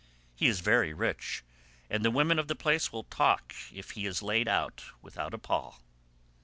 He is very rich, and the women of the place will talk if he is laid out without a pall.